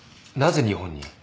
なぜ日本に？